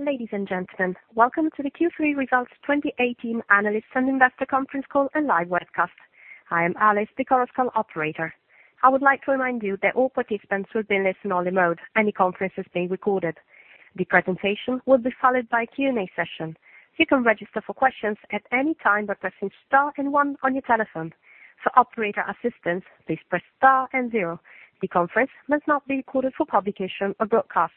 Ladies and gentlemen, welcome to the Q3 Results 2018 Analyst and Investor Conference Call and live webcast. I am Alice, the conference call operator. I would like to remind you that all participants will be in listen-only mode, and the conference is being recorded. The presentation will be followed by a Q&A session. You can register for questions at any time by pressing star 1 on your telephone. For operator assistance, please press star 0. The conference must not be recorded for publication or broadcast.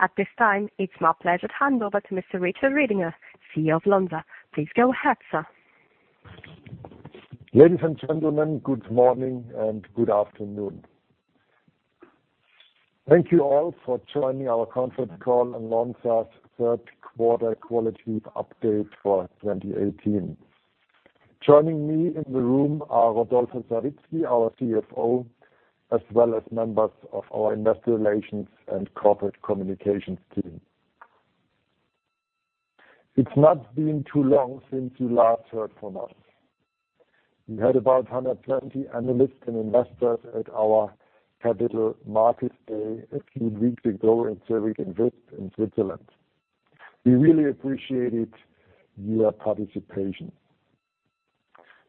At this time, it's my pleasure to hand over to Mr. Richard Ridinger, CEO of Lonza. Please go ahead, sir. Ladies and gentlemen, good morning and good afternoon. Thank you all for joining our conference call on Lonza's third quarter quality update for 2018. Joining me in the room are Rodolfo Savitzky, our CFO, as well as members of our investor relations and corporate communications team. It's not been too long since you last heard from us. We had about 120 analysts and investors at our Capital Markets Day a few weeks ago at Zurich Invest in Switzerland. We really appreciated your participation.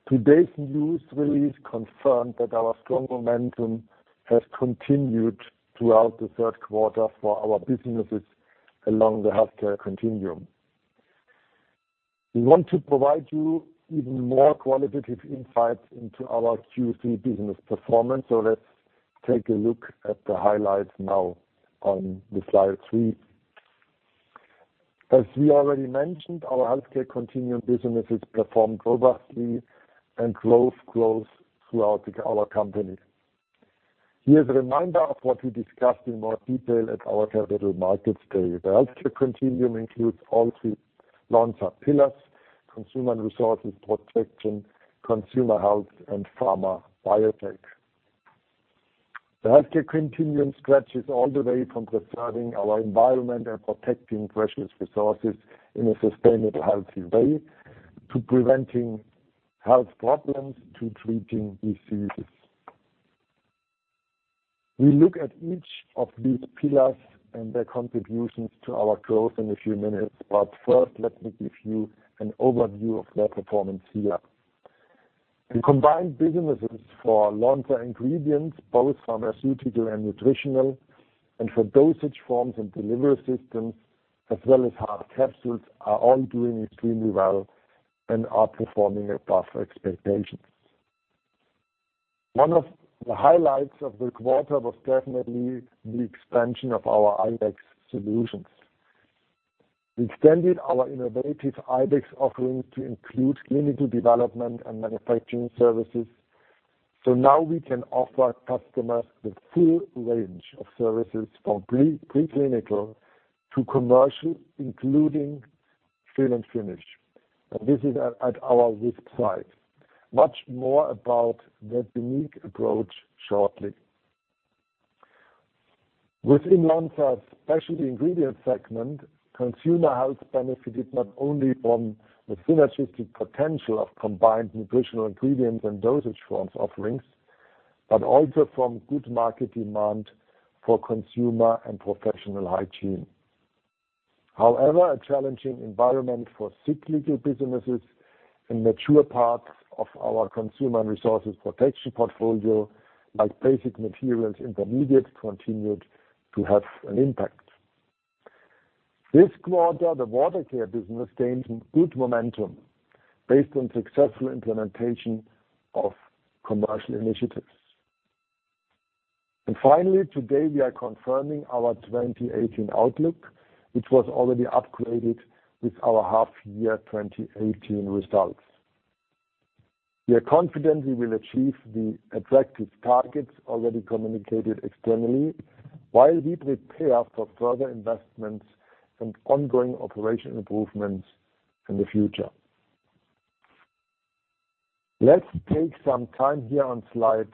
Today's news release confirmed that our strong momentum has continued throughout the third quarter for our businesses along the healthcare continuum. We want to provide you even more qualitative insights into our Q3 business performance. Let's take a look at the highlights now on the slide three. As we already mentioned, our healthcare continuum businesses performed robustly and drove growth throughout our company. Here's a reminder of what we discussed in more detail at our Capital Markets Day. The healthcare continuum includes all three Lonza pillars: Consumer & Resources Protection, Consumer Health, and Pharma & Biotech. The healthcare continuum stretches all the way from preserving our environment and protecting precious resources in a sustainable, healthy way, to preventing health problems, to treating diseases. We look at each of these pillars and their contributions to our growth in a few minutes. First, let me give you an overview of their performance here. The combined businesses for Lonza ingredients, both pharmaceutical and nutritional, and for dosage forms and delivery systems, as well as hard capsules, are all doing extremely well and are performing above expectations. One of the highlights of the quarter was definitely the expansion of our Ibex Solutions. We extended our innovative Ibex offering to include clinical development and manufacturing services. Now we can offer customers the full range of services from pre-clinical to commercial, including fill and finish. This is at our Visp site. Much more about that unique approach shortly. Within Lonza's Specialty Ingredients segment, Consumer Health benefited not only from the synergistic potential of combined nutritional ingredients and dosage forms offerings, but also from good market demand for consumer and professional hygiene. However, a challenging environment for cyclical businesses in mature parts of our Consumer & Resources Protection portfolio, like Basic Materials & Intermediates, continued to have an impact. This quarter, the Water Care business gained good momentum based on successful implementation of commercial initiatives. Finally, today we are confirming our 2018 outlook, which was already upgraded with our half-year 2018 results. We are confident we will achieve the attractive targets already communicated externally while we prepare for further investments and ongoing operational improvements in the future. Let's take some time here on slide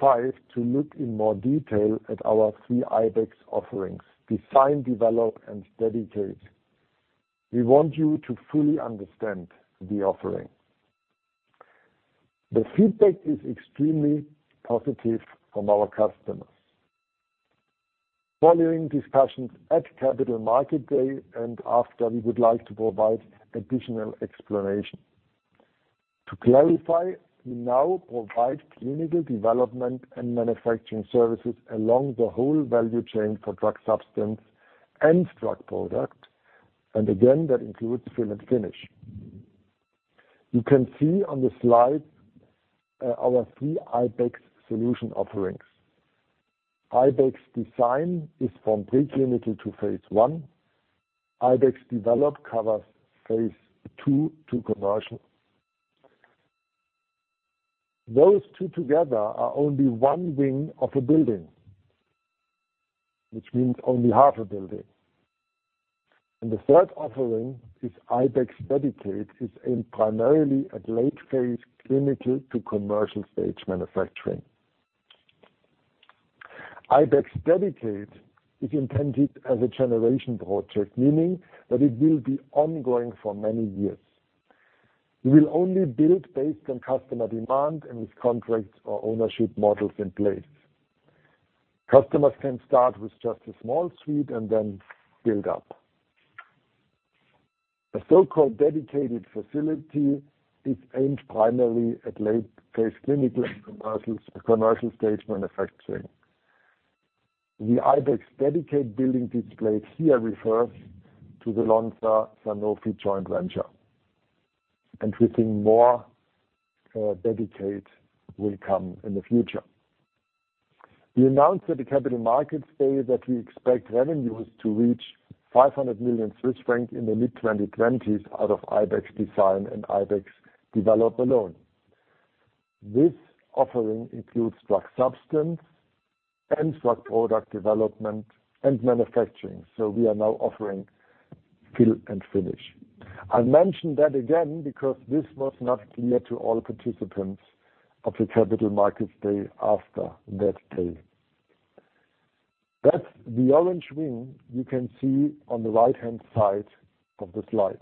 five to look in more detail at our three Ibex offerings, Design, Develop, and Dedicate. We want you to fully understand the offering. The feedback is extremely positive from our customers. Following discussions at Capital Markets Day and after, we would like to provide additional explanation. To clarify, we now provide clinical development and manufacturing services along the whole value chain for drug substance and drug product. Again, that includes fill and finish. You can see on the slide our three Ibex solution offerings. Ibex Design is from pre-clinical to phase I. Ibex Develop covers phase II to commercial. Those two together are only one wing of a building, which means only half a building. The third offering is Ibex Dedicate. It's aimed primarily at late-phase clinical to commercial stage manufacturing. Ibex Dedicate is intended as a generation project, meaning that it will be ongoing for many years. We will only build based on customer demand and with contracts or ownership models in place. Customers can start with just a small suite and then build up. A so-called dedicated facility is aimed primarily at late-phase clinical and commercial stage manufacturing. The Ibex Dedicate building displayed here refers to the Lonza Sanofi joint venture, we think more Dedicate will come in the future. We announced at the Capital Markets Day that we expect revenues to reach 500 million Swiss francs in the mid-2020s out of Ibex Design and Ibex Develop alone. This offering includes drug substance and drug product development and manufacturing. We are now offering fill and finish. I mention that again because this was not clear to all participants of the Capital Markets Day after that day. That's the orange wing you can see on the right-hand side of the slide.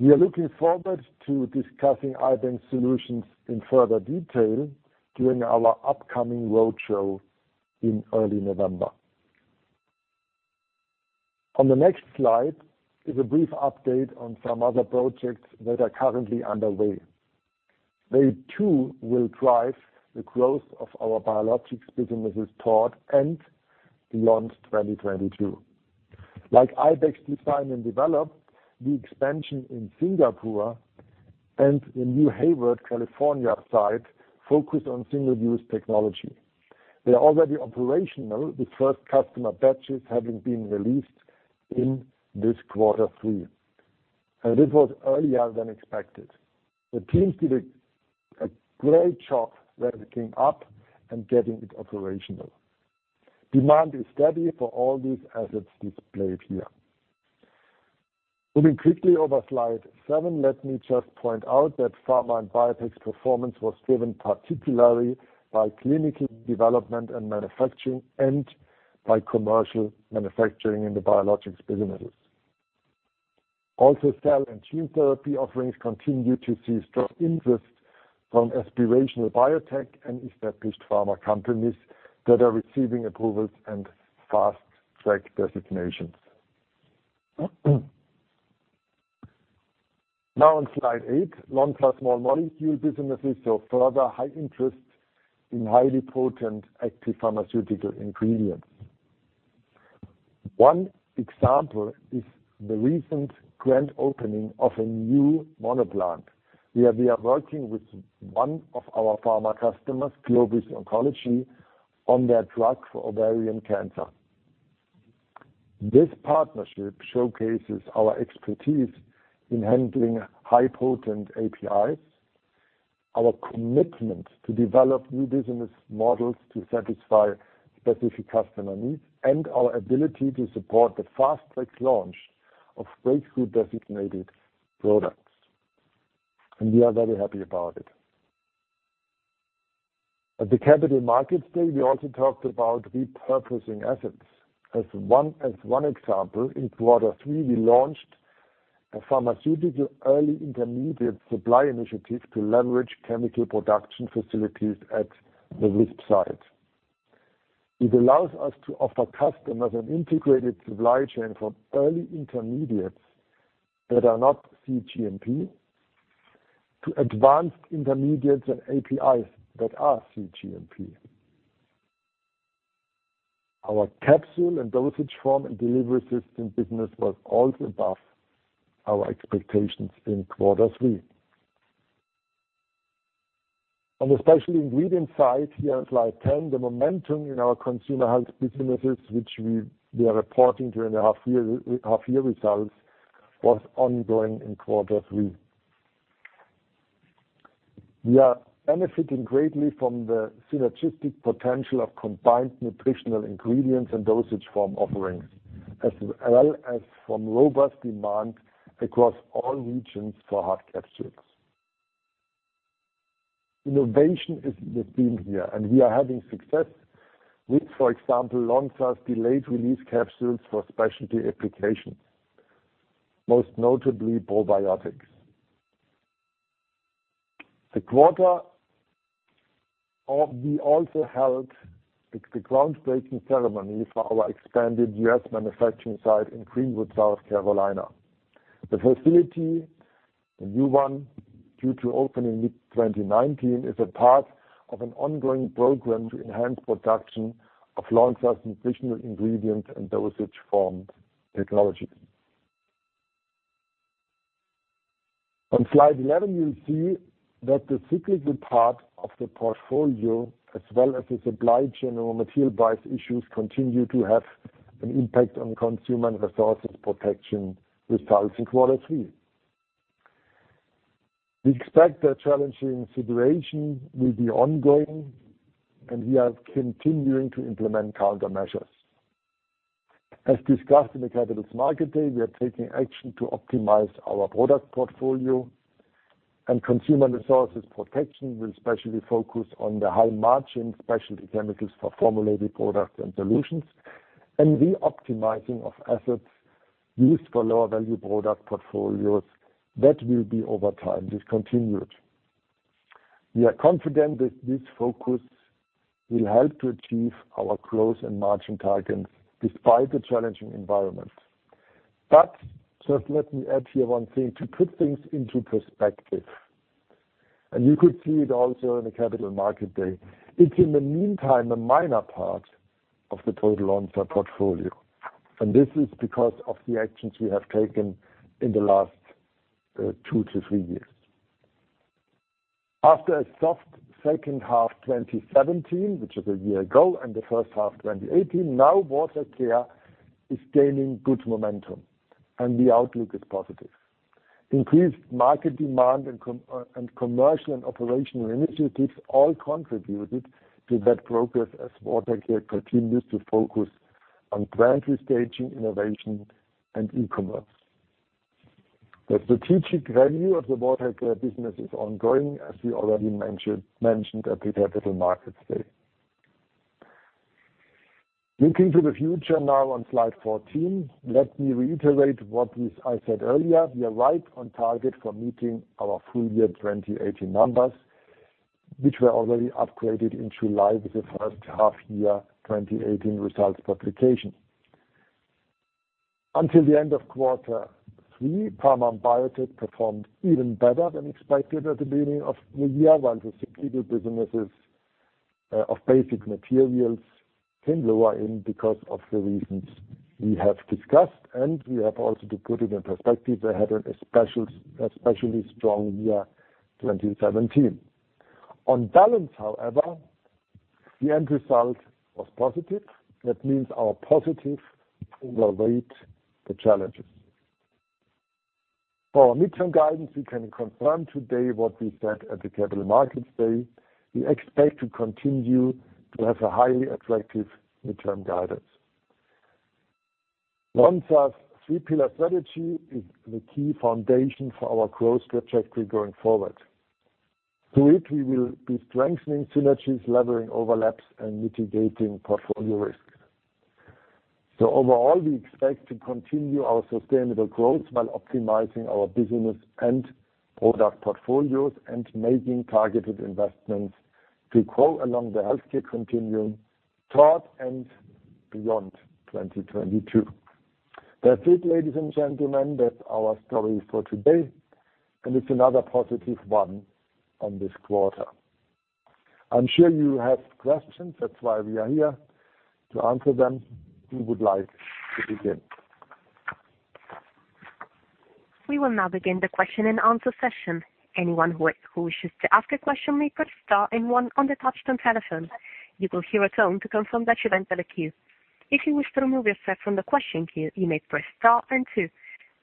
We are looking forward to discussing Ibex solutions in further detail during our upcoming roadshow in early November. On the next slide is a brief update on some other projects that are currently underway. They too will drive the growth of our biologics businesses toward and beyond 2022. Like Ibex Design and Develop, the expansion in Singapore and the new Hayward, California site focus on single-use technology. They are already operational, the first customer batches having been released in this quarter three. This was earlier than expected. The teams did a great job ramping up and getting it operational. Demand is steady for all these assets displayed here. Moving quickly over slide seven, let me just point out that Pharma & Biotech's performance was driven particularly by clinical development and manufacturing, and by commercial manufacturing in the biologics businesses. Also, cell and gene therapy offerings continue to see strong interest from aspirational biotech and established pharma companies that are receiving approvals and fast-track designations. On slide eight, Lonza's small molecule businesses saw further high interest in highly potent active pharmaceutical ingredients. One example is the recent grand opening of a new monoplant, where we are working with one of our pharma customers, Clovis Oncology, on their drug for ovarian cancer. This partnership showcases our expertise in handling highly potent APIs, our commitment to develop new business models to satisfy specific customer needs, and our ability to support the fast-track launch of breakthrough-designated products, we are very happy about it. At the Capital Markets Day, we also talked about repurposing assets. As one example, in quarter three, we launched a pharmaceutical early intermediate supply initiative to leverage chemical production facilities at the Visp site. It allows us to offer customers an integrated supply chain for early intermediates that are not cGMP to advanced intermediates and APIs that are cGMP. Our capsule and dosage form and delivery system business was also above our expectations in quarter three. On the Specialty Ingredients side, here on slide 10, the momentum in our Consumer Health businesses, which we are reporting during the half-year results, was ongoing in quarter three. We are benefiting greatly from the synergistic potential of combined nutritional ingredients and dosage form offerings, as well as from robust demand across all regions for hard capsules. Innovation is the theme here. We are having success with, for example, Lonza's delayed release capsules for specialty applications, most notably probiotics. We also held the groundbreaking ceremony for our expanded U.S. manufacturing site in Greenwood, South Carolina. The facility, a new one, due to open in mid-2019, is a part of an ongoing program to enhance production of Lonza's nutritional ingredient and dosage form technologies. On slide 11, you see that the cyclical part of the portfolio, as well as the supply chain raw material price issues, continue to have an impact on Consumer & Resources Protection results in quarter three. We expect that challenging situation will be ongoing. We are continuing to implement countermeasures. As discussed in the Capital Markets Day, we are taking action to optimize our product portfolio. Consumer & Resources Protection will especially focus on the high-margin specialty chemicals for formulated products and solutions and the optimizing of assets used for lower-value product portfolios that will be over time discontinued. We are confident that this focus will help to achieve our growth and margin targets despite the challenging environment. Just let me add here one thing to put things into perspective, and you could see it also in the Capital Markets Day. It's in the meantime a minor part of the total Lonza portfolio, and this is because of the actions we have taken in the last two to three years. After a soft second half 2017, which is a year ago, and the first half 2018, now Water Care is gaining good momentum and the outlook is positive. Increased market demand, commercial and operational initiatives all contributed to that progress as Water Care continues to focus on plant restaging, innovation, and e-commerce. The strategic value of the Water Care business is ongoing, as we already mentioned at the Capital Markets Day. Looking to the future now on slide 14, let me reiterate what I said earlier. We are right on target for meeting our full year 2018 numbers, which were already upgraded in July with the first half year 2018 results publication. Until the end of quarter three, Pharma & Biotech performed even better than expected at the beginning of the year, while the cyclical businesses of Basic Materials came lower in because of the reasons we have discussed. We have also to put it in perspective, they had an especially strong year 2017. On balance, however, the end result was positive. That means our positive overweight the challenges. For our midterm guidance, we can confirm today what we said at the Capital Markets Day. We expect to continue to have a highly attractive midterm guidance. Lonza's three-pillar strategy is the key foundation for our growth trajectory going forward. Through it, we will be strengthening synergies, levering overlaps, and mitigating portfolio risk. Overall, we expect to continue our sustainable growth while optimizing our business and product portfolios and making targeted investments to grow along the healthcare continuum toward and beyond 2022. That's it, ladies and gentlemen. That's our story for today, and it's another positive one on this quarter. I'm sure you have questions. That's why we are here to answer them. Who would like to begin? We will now begin the question and answer session. Anyone who wishes to ask a question may press star and one on the touch-tone telephone. You will hear a tone to confirm that you entered the queue. If you wish to remove yourself from the question queue, you may press star and two.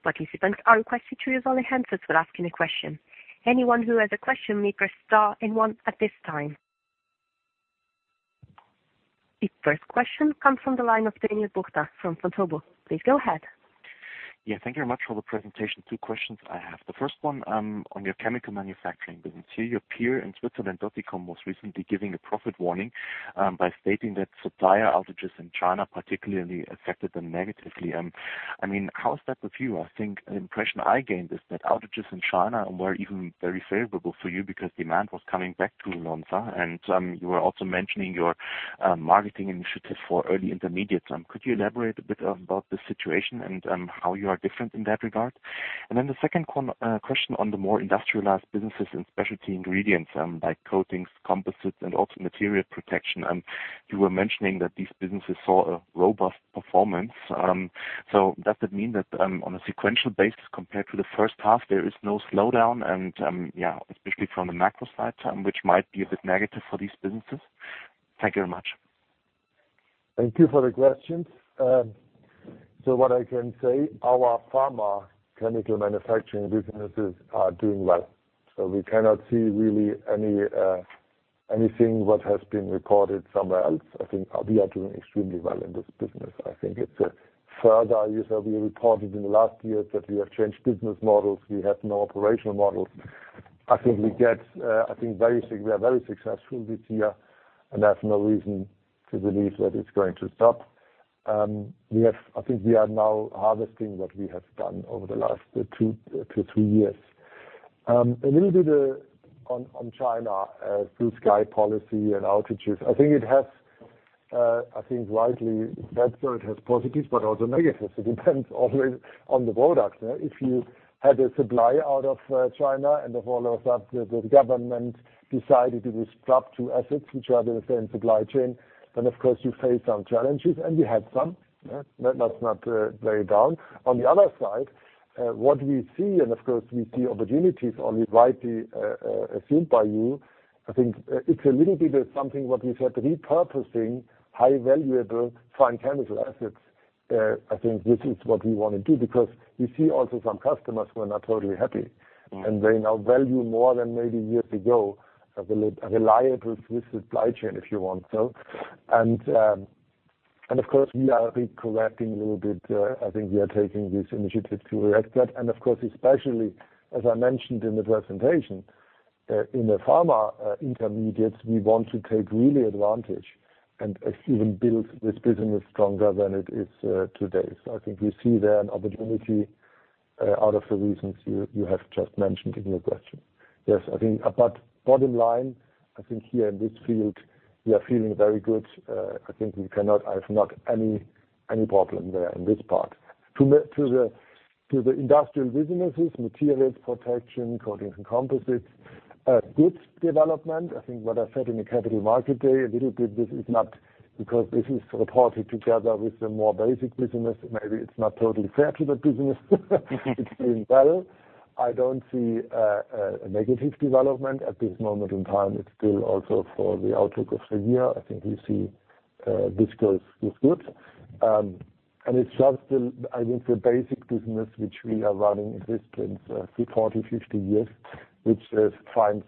Participants are requested to use only handsets when asking a question. Anyone who has a question may press star and one at this time. The first question comes from the line of Daniel Buchta from Vontobel. Please go ahead. Thank you very much for the presentation. Two questions I have. The first one on your chemical manufacturing business. Your peer in Switzerland, Dottikon, was recently giving a profit warning by stating that supplier outages in China particularly affected them negatively. How is that with you? I think an impression I gained is that outages in China were even very favorable for you because demand was coming back to Lonza, and you were also mentioning your marketing initiatives for early intermediate term. Could you elaborate a bit about the situation and how you are different in that regard? The second question on the more industrialized businesses and Specialty Ingredients, like coatings, composites, and also material protection. You were mentioning that these businesses saw a robust performance. Does that mean that on a sequential basis compared to the first half, there is no slowdown and, especially from the macro side, which might be a bit negative for these businesses? Thank you very much. Thank you for the questions. What I can say, our pharma chemical manufacturing businesses are doing well. We cannot see really anything what has been reported somewhere else. I think we are doing extremely well in this business. I think it's a further use that we reported in the last years that we have changed business models. We have no operational models. I think we are very successful this year, and there's no reason to believe that it's going to stop. I think we are now harvesting what we have done over the last 2 to 3 years. A little bit on China, Blue Sky policy and outages. I think rightly that side has positives but also negatives. It depends always on the product. If you had a supply out of China and all of a sudden, the government decided to disrupt two assets which are in the same supply chain, then of course, you face some challenges, and we had some. Let's not play down. On the other side, what we see, of course, we see opportunities only rightly assumed by you. I think it's a little bit of something what we said, repurposing high valuable fine chemical assets. I think this is what we want to do because we see also some customers were not totally happy, and they now value more than maybe years ago, a reliable Swiss supply chain, if you want so. Of course, we are re-correcting a little bit. I think we are taking this initiative to react. Of course, especially as I mentioned in the presentation, in the pharma intermediates, we want to take really advantage and even build this business stronger than it is today. I think we see there an opportunity out of the reasons you have just mentioned in your question. Yes, I think. Bottom line, I think here in this field, we are feeling very good. I think I have not any problem there in this part. To the industrial businesses, materials protection, coatings and composites, good development. I think what I said in the Capital Market Day a little bit, because this is reported together with the more basic business, maybe it's not totally fair to that business. It's doing well. I don't see a negative development at this moment in time. It's still also for the outlook of the year. I think we see this goes good. It's just the, I think the basic business which we are running exists in 40, 50 years, which finds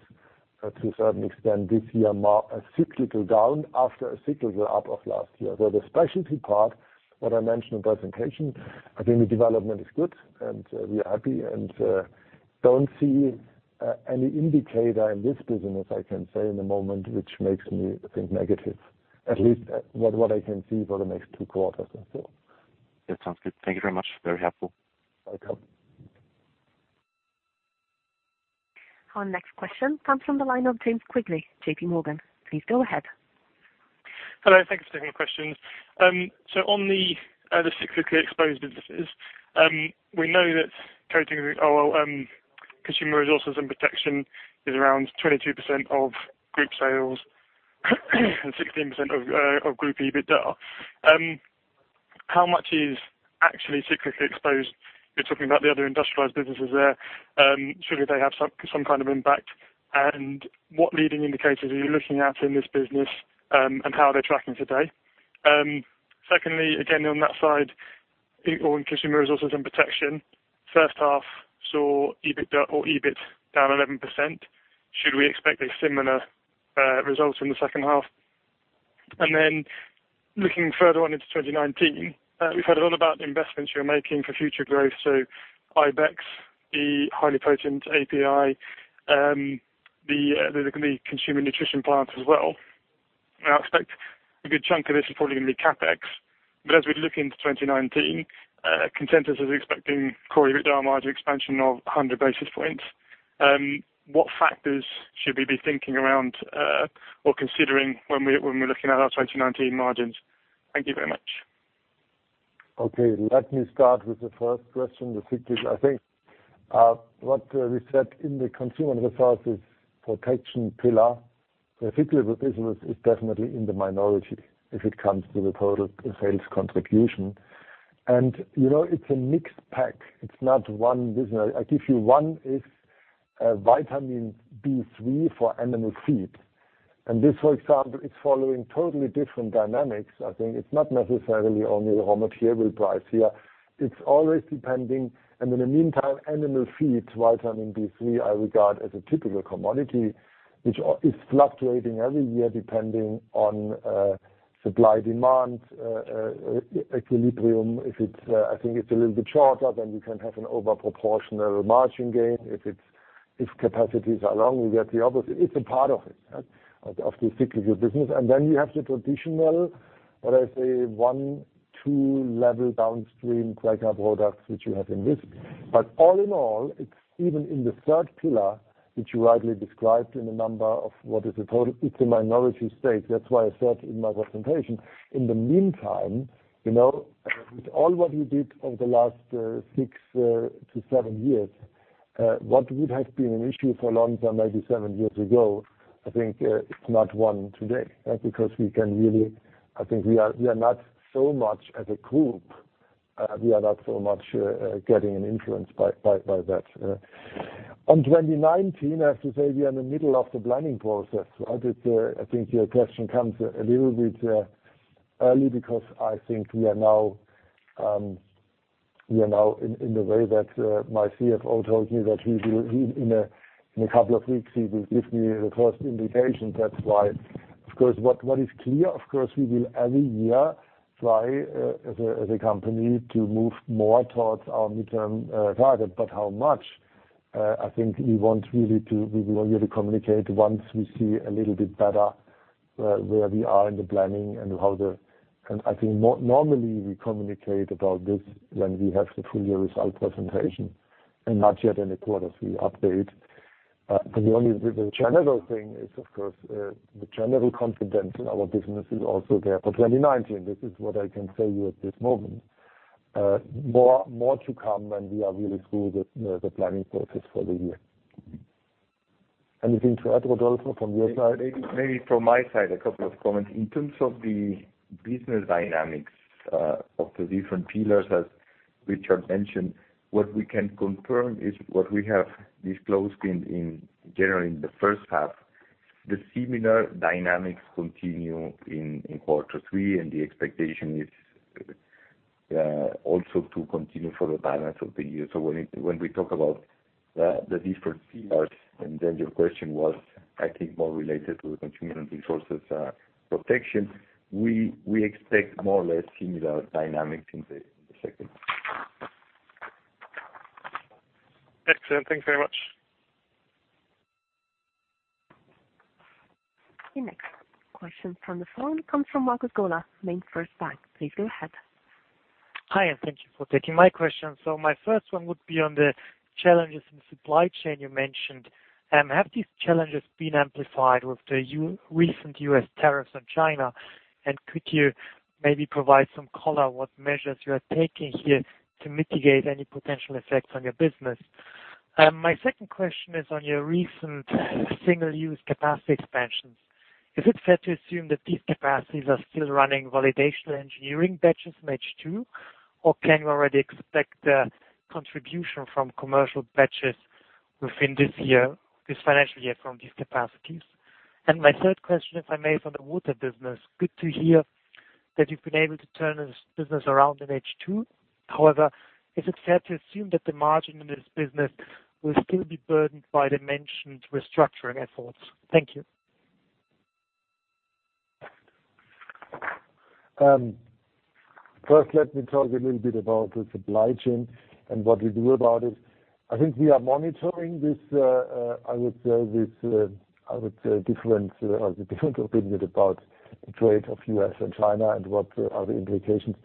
to a certain extent this year, a cyclical down after a cyclical up of last year. The specialty part, what I mentioned in presentation, I think the development is good, we are happy and don't see any indicator in this business, I can say in the moment, which makes me think negative. At least what I can see for the next two quarters or so. It sounds good. Thank you very much. Very helpful. Welcome. Our next question comes from the line of James Quigley, JP Morgan. Please go ahead. Hello. Thank you for taking the questions. On the cyclically exposed businesses, we know that Consumer & Resources Protection is around 22% of group sales and 16% of group EBITDA. How much is actually cyclically exposed? You're talking about the other industrialized businesses there. Should they have some kind of impact, and what leading indicators are you looking at in this business, and how are they tracking today? Secondly, again, on that side, on Consumer & Resources Protection, first half saw EBITDA or EBIT down 11%. Should we expect a similar result in the second half? Looking further on into 2019, we've heard a lot about the investments you're making for future growth. Ibex, the highly potent API, the consumer nutrition plant as well. I expect a good chunk of this is probably going to be CapEx. As we look into 2019, consensus is expecting core EBITDA margin expansion of 100 basis points. What factors should we be thinking around, or considering when we're looking at our 2019 margins? Thank you very much. Let me start with the first question, the cyclical. What we said in the Consumer & Resources Protection pillar, the cyclical business is definitely in the minority as it comes to the total sales contribution. It's a mixed pack. It's not one business. I give you one is vitamin B3 for animal feed. This, for example, is following totally different dynamics. It's not necessarily only the raw material price here. It's always depending. In the meantime, animal feed, vitamin B3, I regard as a typical commodity, which is fluctuating every year depending on supply, demand, equilibrium. If it's a little bit shorter, then we can have an over proportional margin gain. If capacities are long, we get the opposite. It's a part of it, of the cyclical business. You have the traditional, what I say one, two level downstream cracker products, which you have in this. All in all, it's even in the third pillar, which you rightly described in a number of what is the total. It's a minority stake. That's why I said in my presentation. In the meantime, with all what we did over the last six to seven years, what would have been an issue for Lonza maybe seven years ago, it's not one today. Because we are not so much as a group, we are not so much getting an influence by that. On 2019, I have to say we are in the middle of the planning process. Your question comes a little bit early because we are now in the way that my CFO told me that in a couple of weeks, he will give me the first indications. That's why. What is clear, of course, we will every year try as a company to move more towards our midterm target. How much? We will only communicate once we see a little bit better where we are in the planning and how the. Normally we communicate about this when we have the full year result presentation and not yet any quarterly update. The only general thing is, of course, the general confidence in our business is also there for 2019. This is what I can tell you at this moment. More to come when we are really through the planning process for the year. Anything to add, Rodolfo, from your side? Maybe from my side, a couple of comments. In terms of the business dynamics of the different pillars, as Richard mentioned, what we can confirm is what we have disclosed in general in the first half. The similar dynamics continue in quarter 3, and the expectation is Also to continue for the balance of the year. When we talk about the different pillars, and then your question was, I think, more related to the Consumer & Resources Protection, we expect more or less similar dynamics in the second half. Excellent. Thank you very much. The next question from the phone comes from Marcus Gola, MainFirst Bank. Please go ahead. Hi. Thank you for taking my question. My first one would be on the challenges in supply chain you mentioned. Have these challenges been amplified with the recent U.S. tariffs on China? Could you maybe provide some color what measures you are taking here to mitigate any potential effects on your business? My second question is on your recent single-use capacity expansions. Is it fair to assume that these capacities are still running validation engineering batches in H2, or can you already expect a contribution from commercial batches within this financial year from these capacities? My third question, if I may, is on the Water Care business. Good to hear that you've been able to turn this business around in H2. However, is it fair to assume that the margin in this business will still be burdened by the mentioned restructuring efforts? Thank you. First, let me talk a little bit about the supply chain and what we do about it. I think we are monitoring this, I would say, different opinion about trade of U.S. and China and what are the implications.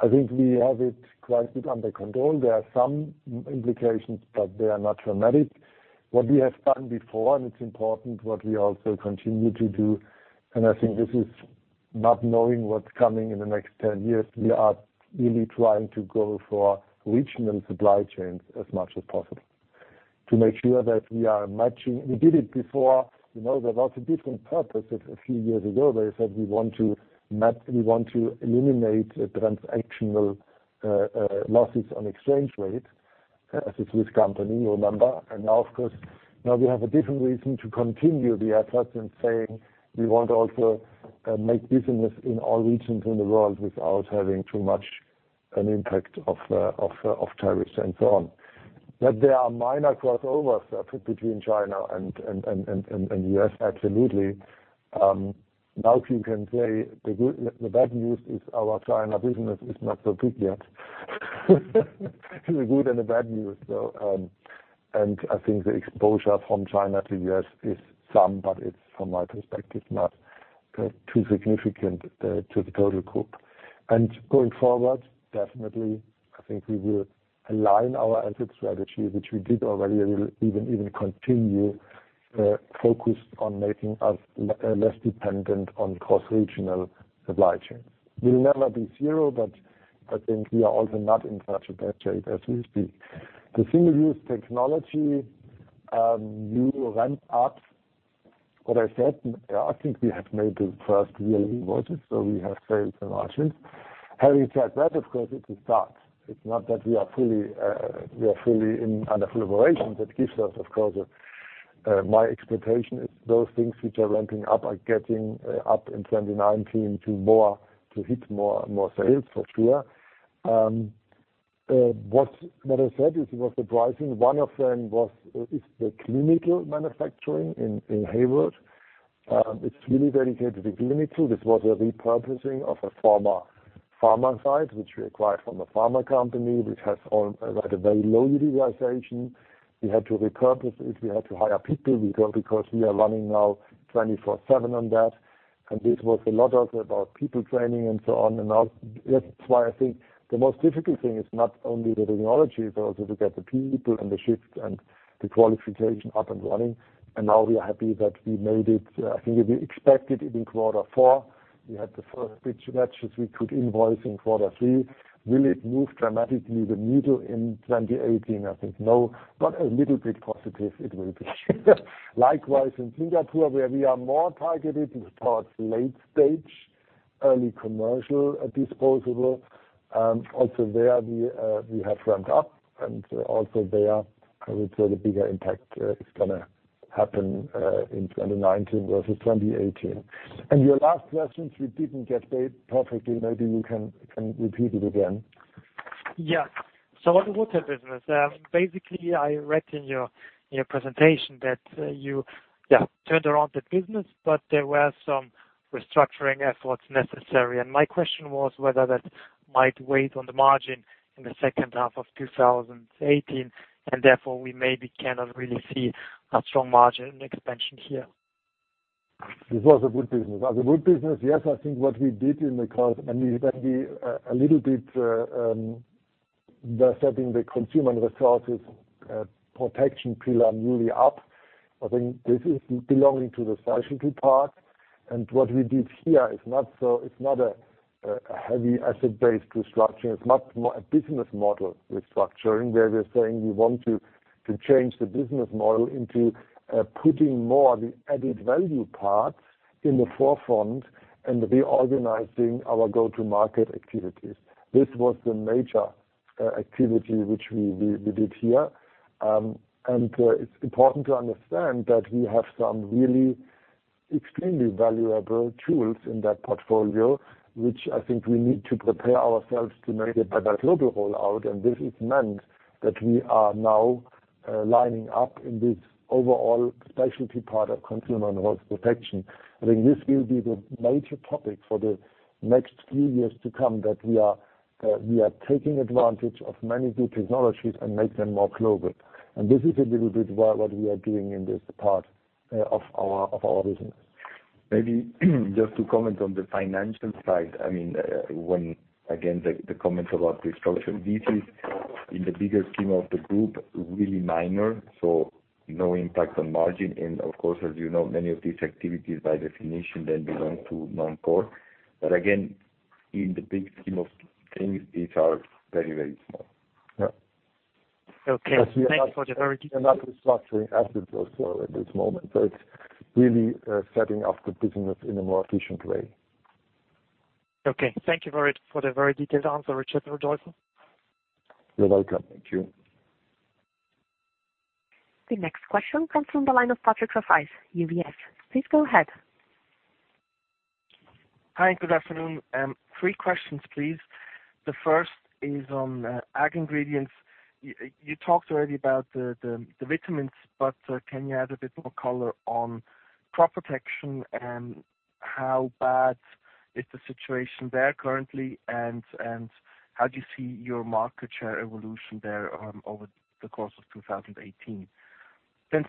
I think we have it quite a bit under control. There are some implications, but they are not dramatic. What we have done before, it's important, what we also continue to do, I think this is not knowing what's coming in the next 10 years, we are really trying to go for regional supply chains as much as possible to make sure that we are matching. We did it before. There was a different purpose a few years ago where we said, we want to eliminate transactional losses on exchange rate as a Swiss company, you remember. Now, of course, now we have a different reason to continue the efforts and saying we want also make business in all regions in the world without having too much an impact of tariffs and so on. There are minor crossovers between China and U.S., absolutely. Now, if you can say the bad news is our China business is not so good yet. The good and the bad news. I think the exposure from China to U.S. is some, but it's, from my perspective, not too significant to the total group. Going forward, definitely, I think we will align our asset strategy, which we did already, and we'll even continue focused on making us less dependent on cross-regional supply chains. We'll never be zero, but I think we are also not in such a bad shape as we speak. The single-use technology new ramp-up, what I said, I think we have made the first real invoices, so we have sales and margins. Having said that, of course, it's a start. It's not that we are fully in under full operation. That gives us, of course, my expectation is those things which are ramping up are getting up in 2019 to hit more sales for sure. What I said is what's surprising, one of them is the clinical manufacturing in Hayward. It's really dedicated to clinical. This was a repurposing of a former pharma site, which we acquired from a pharma company, which had a very low utilization. We had to repurpose it. We had to hire people because we are running now 24/7 on that. This was a lot about people training and so on. That's why I think the most difficult thing is not only the technology, but also to get the people and the shifts and the qualification up and running. Now we are happy that we made it. I think we expected it in quarter four. We had the first batches we could invoice in quarter three. Will it move dramatically the needle in 2018? I think no, but a little bit positive it will be. Likewise, in Singapore, where we are more targeted towards late-stage early commercial disposable. Also there we have ramped up, also there, I would say the bigger impact is going to happen in 2019 versus 2018. Your last questions, we didn't get that perfectly. Maybe you can repeat it again. On the water business, basically, I read in your presentation that you turned around that business, there were some restructuring efforts necessary. My question was whether that might weigh on the margin in the second half of 2018, therefore we maybe cannot really see a strong margin expansion here. This was a wood business. As a wood business, yes, I think what we did, it might be a little bit resetting the Consumer & Resources Protection pillar newly up. I think this is belonging to the specialty part. What we did here it's not a heavy asset-based restructuring. It's much more a business model restructuring, where we're saying we want to change the business model into putting more the added value parts in the forefront and reorganizing our go-to-market activities. This was the major activity which we did here. It's important to understand that we have some extremely valuable tools in that portfolio, which I think we need to prepare ourselves to make a better global rollout, this is meant that we are now lining up in this overall specialty part of Consumer & Resources Protection. I think this will be the major topic for the next few years to come, that we are taking advantage of many new technologies and make them more global. This is a little bit what we are doing in this part of our business. Maybe just to comment on the financial side. Again, the comments about the instruction, this is in the bigger scheme of the group, really minor, no impact on margin. Of course, as you know, many of these activities by definition then belong to non-core. Again, in the big scheme of things, these are very, very small. Yeah. Okay. Thank you for the very- We're not restructuring as of this moment, it's really setting up the business in a more efficient way. Okay. Thank you for the very detailed answer, Richard and Rodolfo. You're welcome. Thank you. The next question comes from the line of Patrick Rafaisz, UBS. Please go ahead. Hi, good afternoon. Three questions, please. The first is on ag ingredients. You talked already about the vitamins, but can you add a bit more color on crop protection and how bad is the situation there currently, and how do you see your market share evolution there over the course of 2018?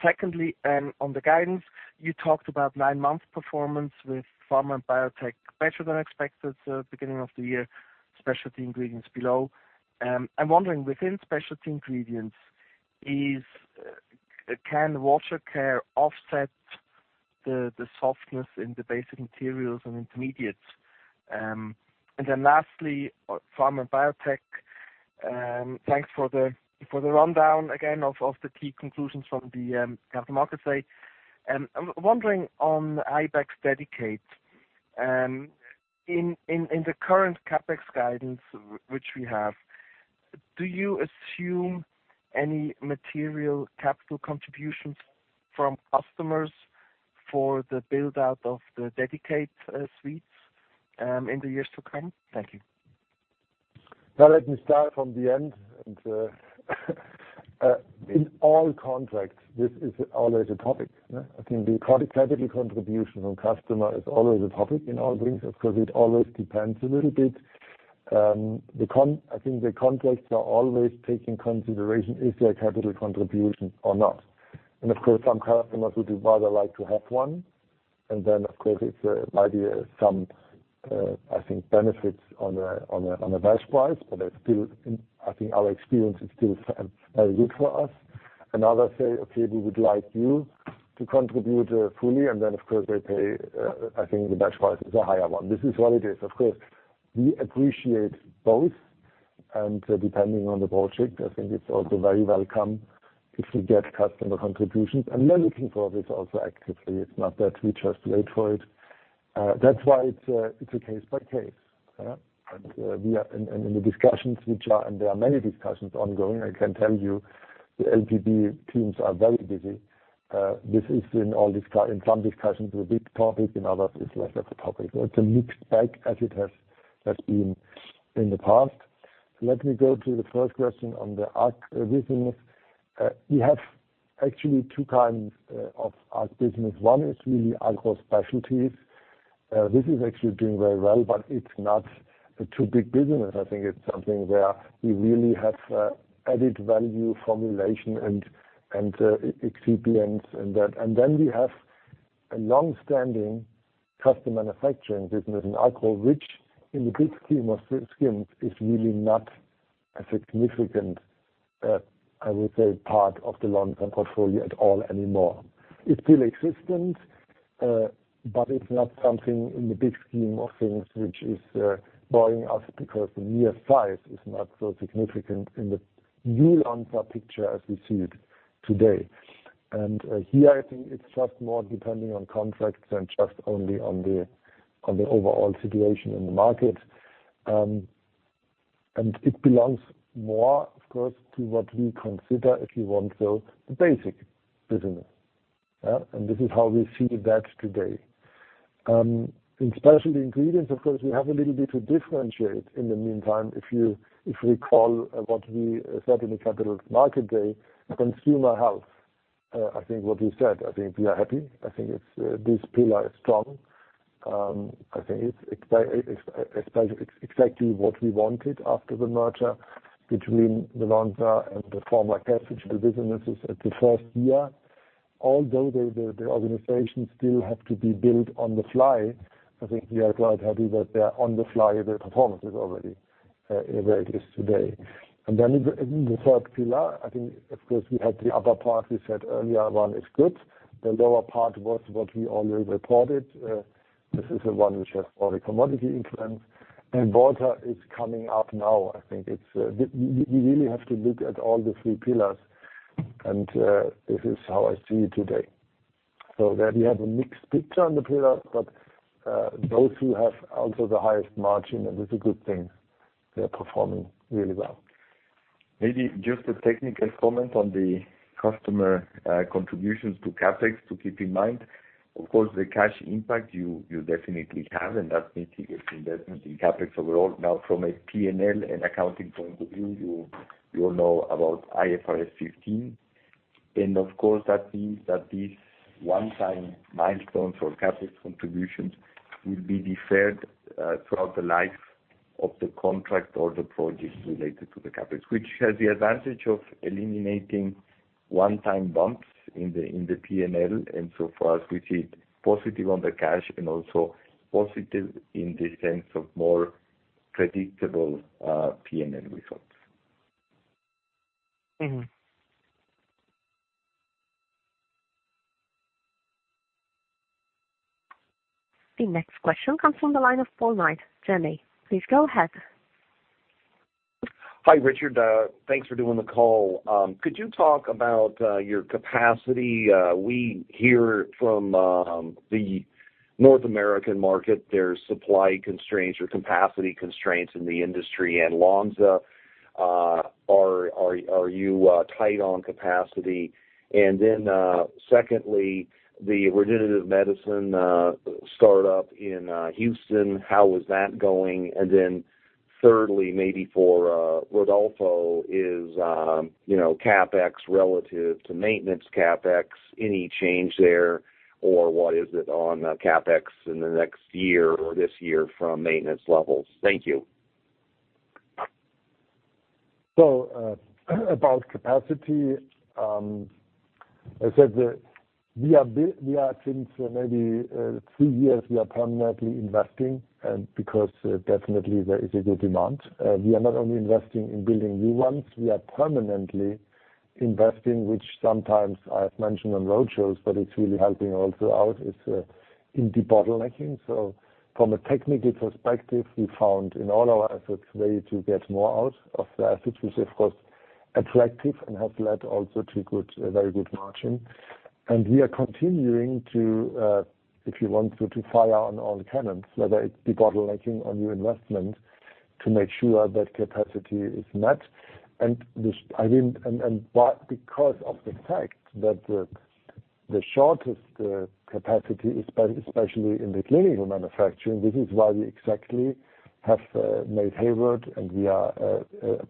Secondly, on the guidance, you talked about nine-month performance with Pharma & Biotech better than expected beginning of the year, Specialty Ingredients below. I'm wondering within Specialty Ingredients, can Water Care offset the softness in the Basic Materials & Intermediates? Lastly, Pharma & Biotech. Thanks for the rundown again of the key conclusions from the Capital Markets Day. I'm wondering on Ibex® Dedicate. In the current CapEx guidance which we have, do you assume any material capital contributions from customers for the build-out of the Dedicate suites in the years to come? Thank you. Let me start from the end. In all contracts, this is always a topic. I think the capital contribution from customer is always a topic in all brings, of course, it always depends a little bit. I think the contracts are always taking consideration is there a capital contribution or not? Of course, some customers would rather like to have one, and then of course it might be some, I think, benefits on a batch price, but I think our experience is still very good for us. Others say, "Okay, we would like you to contribute fully," and then, of course, they pay, I think, the batch price is a higher one. This is what it is. Of course, we appreciate both, and depending on the project, I think it's also very welcome if we get customer contributions. We're looking for this also actively. It's not that we just wait for it. That's why it's a case by case. In the discussions which are, and there are many discussions ongoing, I can tell you, the LTB teams are very busy. This is in some discussions a big topic, in others it's less of a topic. It's a mixed bag as it has been in the past. Let me go to the first question on the ag business. We have actually two kinds of ag business. One is really agro specialties. This is actually doing very well, but it's not too big business. I think it's something where we really have added value formulation and excipients and that. Then we have a long-standing custom manufacturing business in agro, which in the big scheme of things is really not a significant, I would say, part of the Lonza portfolio at all anymore. It still exists, but it's not something in the big scheme of things which is boring us because the mere size is not so significant in the new Lonza picture as we see it today. Here, I think it's just more depending on contracts than just only on the overall situation in the market. It belongs more, of course, to what we consider, if you want, so the basic business. This is how we see that today. In Specialty Ingredients, of course, we have a little bit to differentiate. In the meantime, if you recall what we said in the Capital Market Day, Consumer Health, I think what we said, I think we are happy. I think this pillar is strong. I think it's exactly what we wanted after the merger between the Lonza and the former business at the first year. Although the organizations still have to be built on the fly, I think we are quite happy that they're on the fly. The performance is already where it is today. Then in the third pillar, I think, of course, we had the upper part we said earlier on is good. The lower part was what we already reported. This is the one which has all the commodity influence. Water is coming up now. I think you really have to look at all the three pillars, and this is how I see it today. There we have a mixed picture on the pillars, but those who have also the highest margin, and that's a good thing, they're performing really well. Maybe just a technical comment on the customer contributions to CapEx to keep in mind. Of course, the cash impact you definitely have, and that's mitigated investment in CapEx overall. From a P&L and accounting point of view, you all know about IFRS 15, and of course, that means that these one-time milestones or CapEx contributions will be deferred throughout the life of the contract or the projects related to the CapEx. Which has the advantage of eliminating one-time bumps in the P&L, for us, we see it positive on the cash and also positive in the sense of more predictable P&L results. The next question comes from the line of Paul Knight, Jefferies. Please go ahead. Hi, Richard. Thanks for doing the call. Could you talk about your capacity? We hear from the North American market, there's supply constraints or capacity constraints in the industry and Lonza. Are you tight on capacity? Secondly, the regenerative medicine startup in Houston, how is that going? Thirdly, maybe for Rodolfo, is CapEx relative to maintenance CapEx, any change there? What is it on CapEx in the next year or this year from maintenance levels? Thank you. About capacity. I said that since maybe three years, we are permanently investing because definitely there is a good demand. We are not only investing in building new ones, we are permanently investing, which sometimes I have mentioned on roadshows, but it's really helping also out, is in debottlenecking. From a technical perspective, we found in all our assets way to get more out of the assets, which is, of course, attractive and has led also to very good margin. We are continuing to, if you want to fire on all cannons, whether it's debottlenecking or new investment, to make sure that capacity is met. Because of the fact that the shortest capacity, especially in the clinical manufacturing, this is why we exactly have made Hayward and we are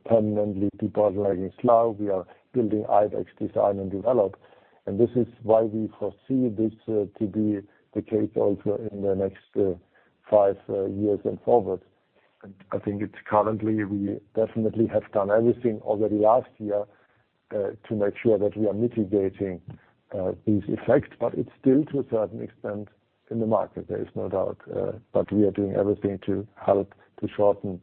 permanently debottlenecking Slough. We are building Ibex® Design and Develop. This is why we foresee this to be the case also in the next five years and forward. I think it's currently, we definitely have done everything already last year, to make sure that we are mitigating these effects, but it's still to a certain extent in the market, there is no doubt. We are doing everything to help to shorten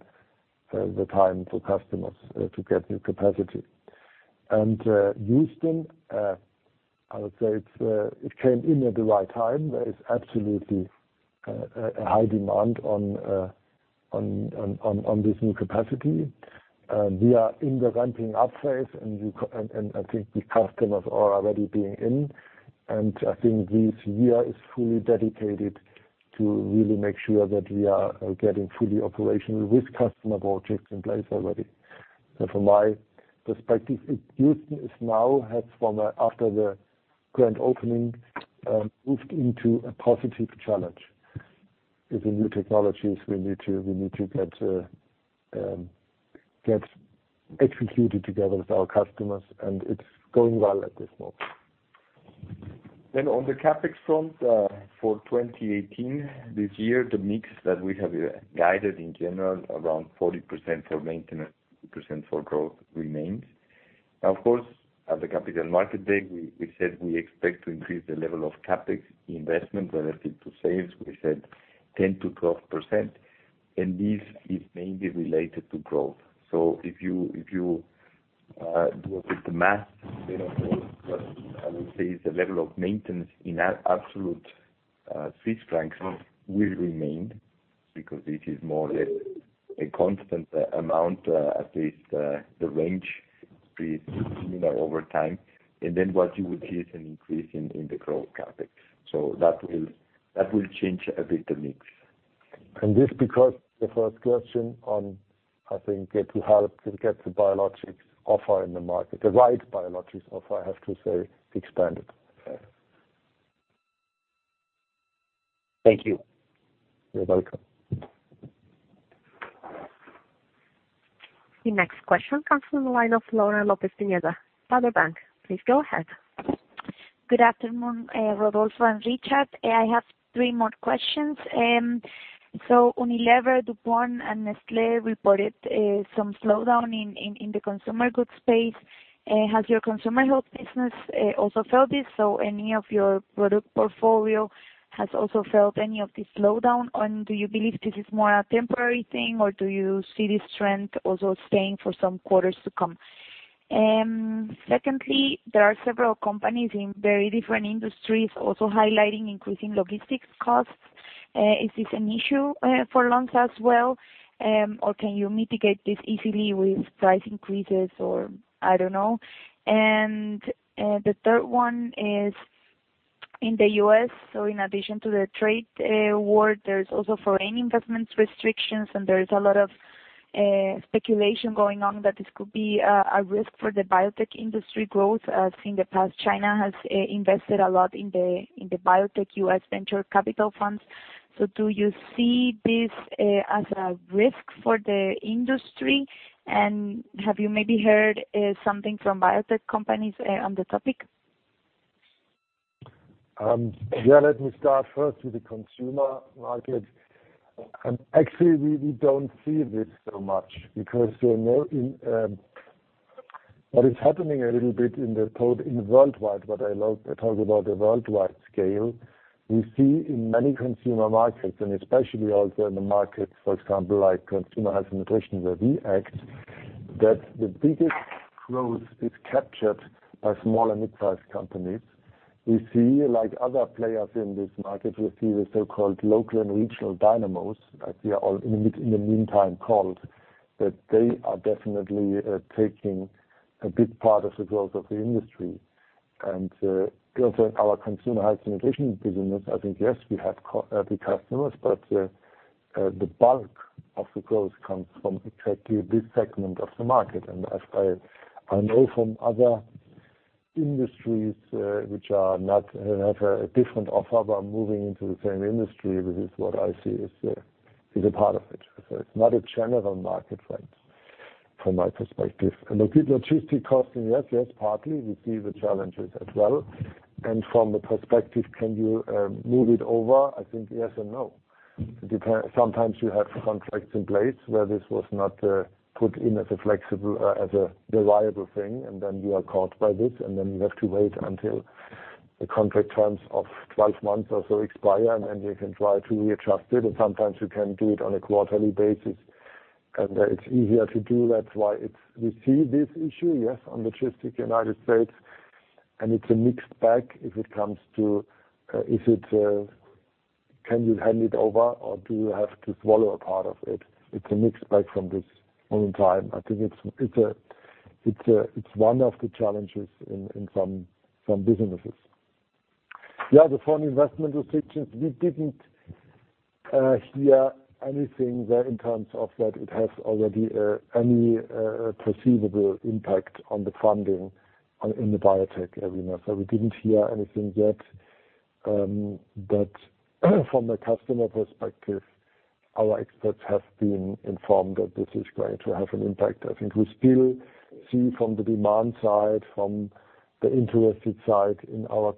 the time for customers to get new capacity. Houston, I would say it came in at the right time. There is absolutely a high demand on this new capacity. We are in the ramping up phase and I think the customers are already being in. I think this year is fully dedicated to really make sure that we are getting fully operational with customer projects in place already. From my perspective, Houston now, after the grand opening, moved into a positive challenge. With the new technologies we need to get executed together with our customers, it is going well at this moment. On the CapEx front, for 2018, this year, the mix that we have guided in general, around 40% for maintenance, 40% for growth remains. Now, of course, at the Capital Market Day, we said we expect to increase the level of CapEx investment relative to sales. We said 10%-12%, this is mainly related to growth. If you do a bit the math, then of course, I would say the level of maintenance in absolute CHF will remain because this is more or less a constant amount, at least the range pretty similar over time. What you would see is an increase in the growth CapEx. That will change a bit the mix. This because the first question on, I think it will help to get the biologics offer in the market, the right biologics offer, I have to say, expanded. Thank you. You're welcome. The next question comes from the line of Laura Lopez-Pineda, Bank. Please go ahead. Good afternoon, Rodolfo and Richard. I have three more questions. Unilever, DuPont, and Nestlé reported some slowdown in the consumer goods space. Has your Consumer Health business also felt this? Any of your product portfolio has also felt any of this slowdown? Do you believe this is more a temporary thing, or do you see this trend also staying for some quarters to come? Secondly, there are several companies in very different industries also highlighting increasing logistics costs. Is this an issue for Lonza as well, or can you mitigate this easily with price increases or I don't know? The third one is in the U.S., in addition to the trade war, there's also foreign investments restrictions, and there is a lot of speculation going on that this could be a risk for the biotech industry growth. As in the past, China has invested a lot in the biotech U.S. venture capital funds. Do you see this as a risk for the industry? Have you maybe heard something from biotech companies on the topic? Let me start first with the consumer market. Actually, we don't see this so much because what is happening a little bit in the worldwide, what I talk about the worldwide scale, we see in many consumer markets, and especially also in the markets, for example, like Consumer Health and nutrition, where we act, that the biggest growth is captured by small and mid-size companies. We see other players in this market, we see the so-called local and regional dynamos, like they are all in the meantime called, that they are definitely taking a big part of the growth of the industry. Also in our Consumer Health and nutrition business, I think, yes, we have big customers, but the bulk of the growth comes from exactly this segment of the market. As I know from other industries, which have a different offer, but are moving into the same industry, this is what I see is a part of it. It's not a general market trend from my perspective. Logistic costing, yes, partly, we see the challenges as well. From the perspective, can you move it over? I think yes and no. It depends. Sometimes you have contracts in place where this was not put in as a reliable thing, then you are caught by this, then you have to wait until the contract terms of 12 months or so expire, then you can try to readjust it, and sometimes you can do it on a quarterly basis. It's easier to do. That's why we see this issue, yes, on logistic U.S., and it's a mixed bag if it comes to, can you hand it over or do you have to swallow a part of it? It's a mixed bag from this own time. I think it's one of the challenges in some businesses. The foreign investment restrictions, we didn't hear anything there in terms of that it has already any perceivable impact on the funding in the biotech arena. We didn't hear anything yet. But from a customer perspective, our experts have been informed that this is going to have an impact. I think we still see from the demand side, from the interested side in our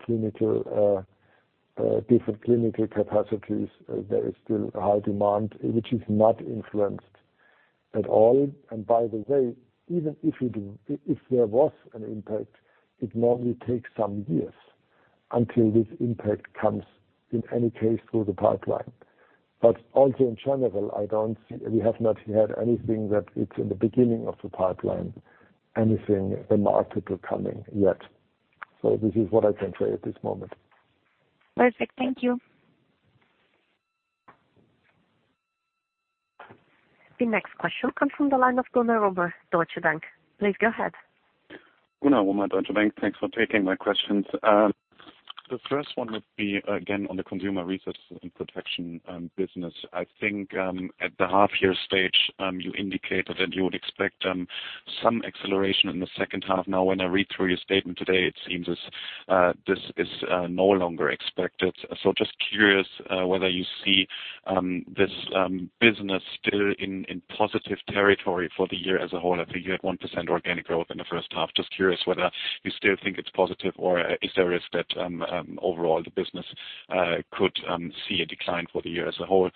different clinical capacities, there is still high demand, which is not influenced at all. By the way, even if there was an impact, it normally takes some years until this impact comes in any case through the pipeline. Also in general, we have not heard anything that it's in the beginning of the pipeline, anything remarkable coming yet. This is what I can say at this moment. Perfect. Thank you. The next question comes from the line of Gunnar Römer, Deutsche Bank. Please go ahead. Gunnar Römer, Deutsche Bank. Thanks for taking my questions. The first one would be, again, on the Consumer & Resources Protection business. I think, at the half year stage, you indicated that you would expect some acceleration in the second half. Now, when I read through your statement today, it seems as this is no longer expected. Just curious whether you see this business still in positive territory for the year as a whole. I think you had 1% organic growth in the first half. Just curious whether you still think it's positive or is there a risk that overall the business could see a decline for the year as a whole?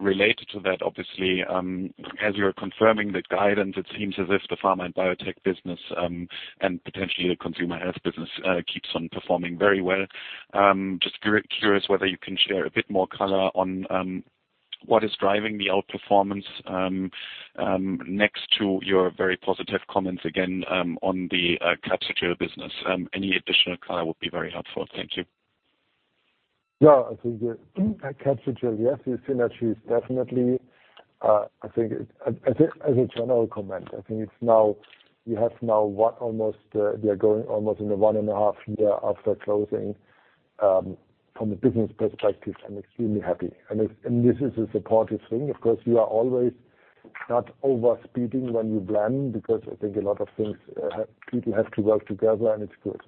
Related to that, obviously, as you're confirming the guidance, it seems as if the Pharma & Biotech business, and potentially the Consumer Health business, keeps on performing very well. Just curious whether you can share a bit more color on what is driving the outperformance, next to your very positive comments again, on the Capsugel business. Any additional color would be very helpful. Thank you. Yeah. I think at Capsugel, yes, you see synergies definitely. I think as a general comment, I think we are going almost in a one and a half year after closing. From a business perspective, I'm extremely happy. This is the supportive thing. Of course, you are always not over-speeding when you plan, because I think a lot of things, people have to work together, and it's good.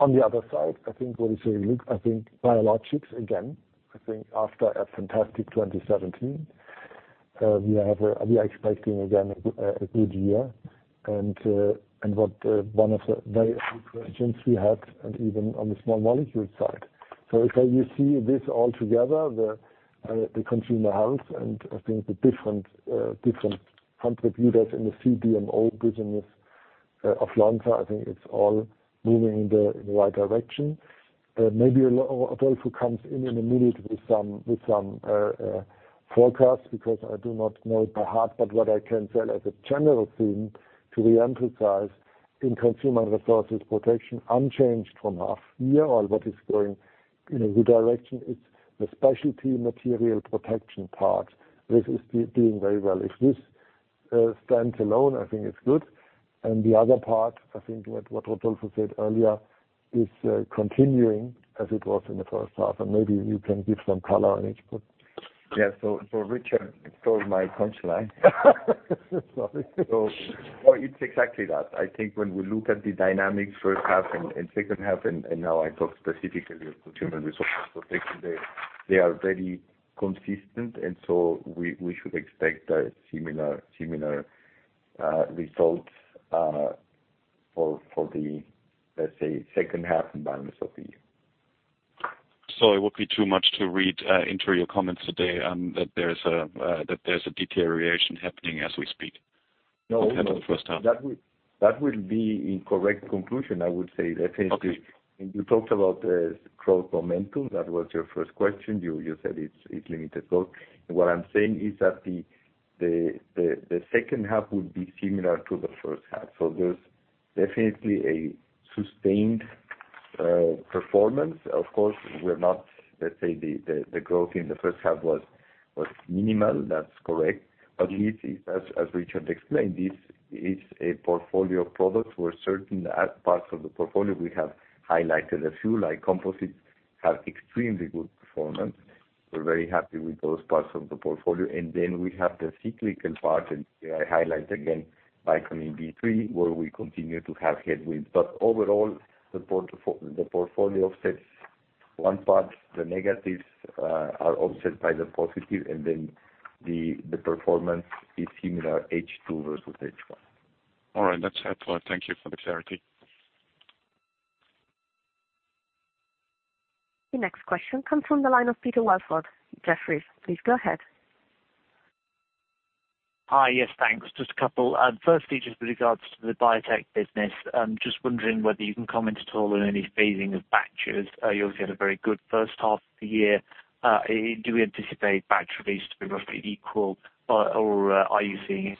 On the other side, I think what we say, look, I think biologics, again, I think after a fantastic 2017, we are expecting again a good year. What one of the very good questions we had, and even on the small molecule side. If you see this all together, the consumer health, and I think the different contributors in the CDMO business of Lonza, I think it's all moving in the right direction. Maybe Rodolfo, who comes in immediately with some forecasts, because I do not know it by heart, but what I can tell as a general theme to re-emphasize in Consumer & Resources Protection, unchanged from half year or what is going in a good direction, it's the specialty material protection part. This is doing very well. If this stands alone, I think it's good. The other part, I think what Rodolfo said earlier, is continuing as it was in the first half, and maybe you can give some color on each part. Yeah. Richard stole my punchline. Sorry. It's exactly that. I think when we look at the dynamics first half and second half, and now I talk specifically of the human resources perspective, they are very consistent, we should expect a similar result for the, let's say, second half and balance of the year. It would be too much to read into your comments today that there's a deterioration happening as we speak. No compared to the first half. That would be incorrect conclusion, I would say. Okay you talked about the growth momentum. That was your first question. You said it's limited growth. What I'm saying is that the second half would be similar to the first half. There's definitely a sustained performance. Of course, we're not, let's say, the growth in the first half was minimal, that's correct. As Richard explained, this is a portfolio of products where certain parts of the portfolio, we have highlighted a few, like composites, have extremely good performance. We're very happy with those parts of the portfolio. Then we have the cyclical part, and I highlight again, Biocon B3. Where we continue to have headwinds. Overall, the portfolio offsets one part, the negatives are offset by the positive, and then the performance is similar H2 versus H1. All right. That's helpful. Thank you for the clarity. The next question comes from the line of Peter Welford, Jefferies. Please go ahead. Hi. Yes, thanks. Just a couple. First, Richard, with regards to the biotech business, I'm just wondering whether you can comment at all on any phasing of batches. You obviously had a very good first half of the year. Do we anticipate batch release to be roughly equal or are you seeing it?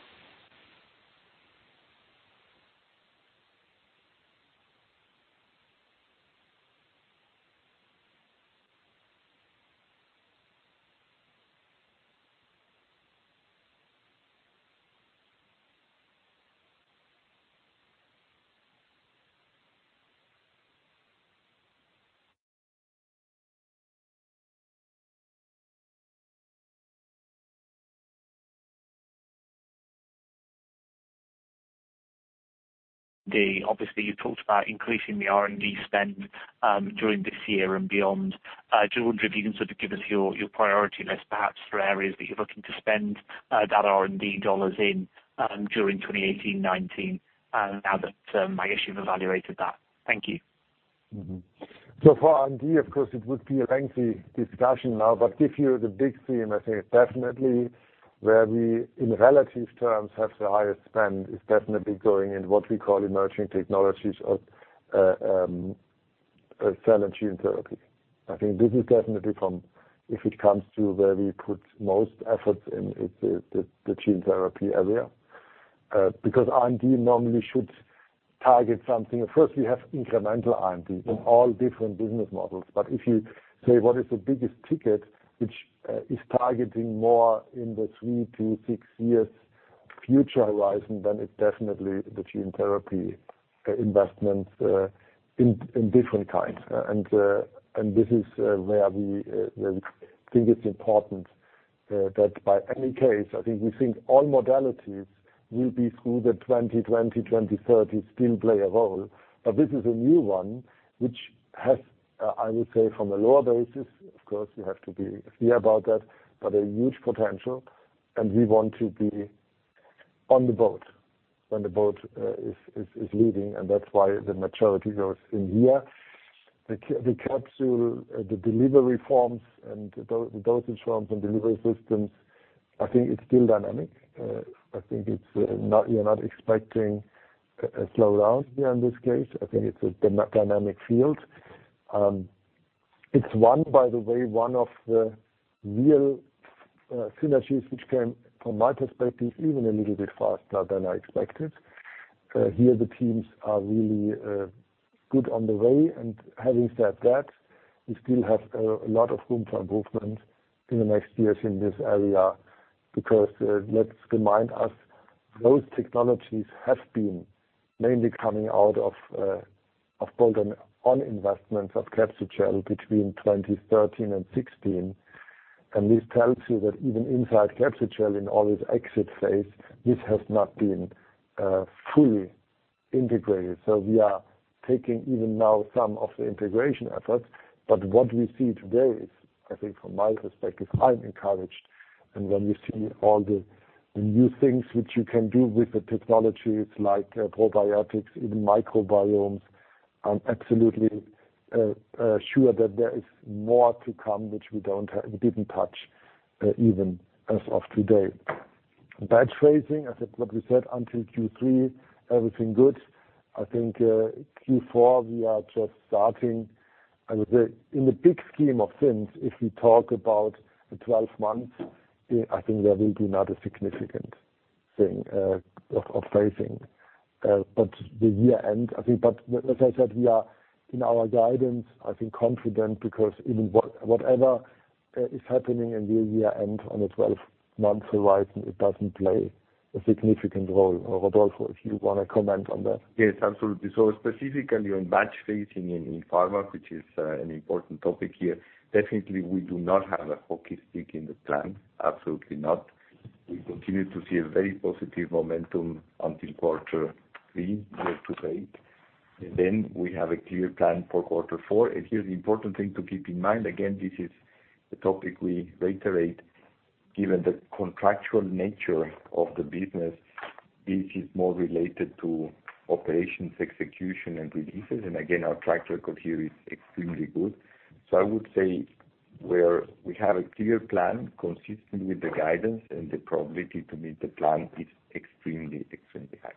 Obviously, you talked about increasing the R&D spend during this year and beyond. I do wonder if you can sort of give us your priority list, perhaps, for areas that you're looking to spend that R&D dollars in during 2018, 2019, now that I guess you've evaluated that. Thank you. For R&D, of course, it would be a lengthy discussion now, but give you the big theme, I think definitely where we, in relative terms, have the highest spend is definitely going in what we call emerging technologies of cell and gene therapy. I think this is definitely from, if it comes to where we put most efforts in, it's the gene therapy area. R&D normally should target something. First, we have incremental R&D in all different business models. If you say, what is the biggest ticket which is targeting more in the three to six years future horizon, then it's definitely the gene therapy investments in different kinds. This is where we think it's important that, by any case, I think we think all modalities will be through the 2020, 2030, still play a role. This is a new one, which has, I would say, from a lower basis, of course, we have to be clear about that, but a huge potential, and we want to be on the boat when the boat is leaving, and that's why the maturity goes in here. The capsule, the delivery forms, and the dosage forms and delivery systems, I think it's still dynamic. I think we are not expecting a slowdown here in this case. I think it's a dynamic field. It's one, by the way, one of the real synergies which came, from my perspective, even a little bit faster than I expected. Here, the teams are really good on the way. Having said that, we still have a lot of room for improvement in the next years in this area, because let's remind us, those technologies have been mainly coming out of bolt-on investments of Capsugel between 2013 and 2016. This tells you that even inside Capsugel, in all its exit phase, this has not been fully integrated. We are taking even now some of the integration efforts. What we see today is, I think from my perspective, I'm encouraged. When we see all the new things which you can do with the technologies like probiotics, even microbiomes, I'm absolutely sure that there is more to come, which we didn't touch even as of today. Batch phasing, as what we said, until Q3, everything good. I think Q4, we are just starting. I would say in the big scheme of things, if we talk about the 12 months, I think there will be not a significant thing of phasing. The year end, I think, but as I said, we are in our guidance, I think confident because whatever is happening in the year end on a 12-month horizon, it doesn't play a significant role. Rodolfo, if you want to comment on that. Yes, absolutely. Specifically on batch phasing in pharma, which is an important topic here, definitely we do not have a hockey stick in the plan. Absolutely not. We continue to see a very positive momentum until quarter three year to date. Then we have a clear plan for quarter four. Here, the important thing to keep in mind, again, this is a topic we reiterate, given the contractual nature of the business, this is more related to operations execution and releases. Again, our track record here is extremely good. I would say where we have a clear plan consistent with the guidance and the probability to meet the plan is extremely high.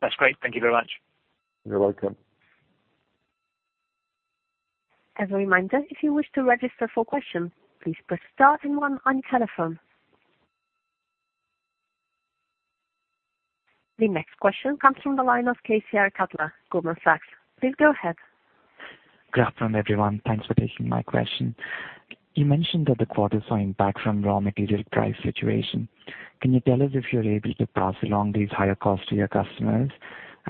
That's great. Thank you very much. You're welcome. As a reminder, if you wish to register for questions, please press star and one on your telephone. The next question comes from the line of Keyasiya Cutts, Goldman Sachs. Please go ahead. Good afternoon, everyone. Thanks for taking my question. You mentioned that the quarter saw impact from raw material price situation. Can you tell us if you're able to pass along these higher costs to your customers?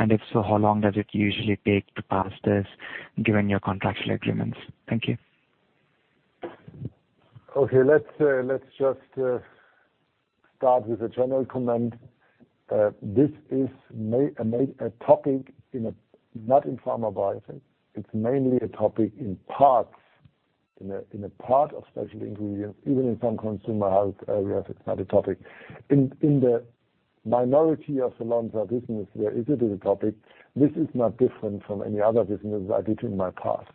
If so, how long does it usually take to pass this given your contractual agreements? Thank you. Let's just start with a general comment. This is a topic, not in pharma, but I think it's mainly a topic in parts, in a part of Specialty Ingredients, even in some Consumer Health areas, it's not a topic. In the minority of the Lonza business, where it is a topic, this is not different from any other business I did in my past.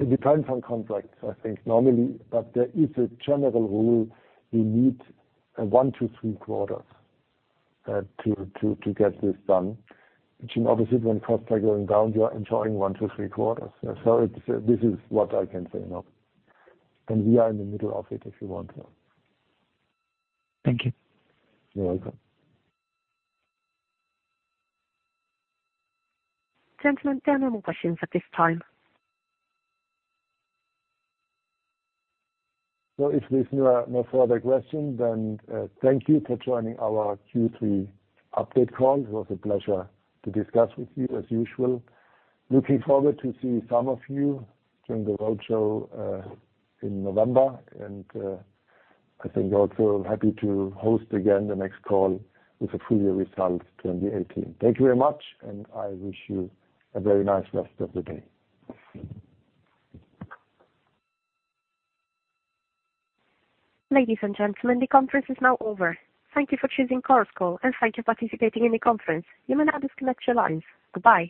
It depends on contracts, I think, normally, but there is a general rule. We need one to three quarters to get this done, which obviously when costs are going down, you are enjoying one to three quarters. This is what I can say now. We are in the middle of it, if you want to. Thank you. You're welcome. Gentlemen, there are no more questions at this time. If there's no further questions, thank you for joining our Q3 update call. It was a pleasure to discuss with you as usual. Looking forward to see some of you during the roadshow in November, I think also happy to host again the next call with the full year results 2018. Thank you very much, I wish you a very nice rest of the day. Ladies and gentlemen, the conference is now over. Thank you for choosing Chorus Call, thank you for participating in the conference. You may now disconnect your lines. Goodbye.